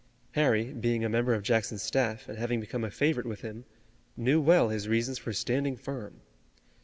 Harry, being a member of Jackson's staff, and having become a favorite with him, knew well his reasons for standing firm.